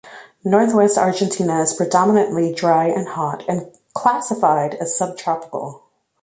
Northwest Argentina is predominantly dry and hot and classified as subtropical.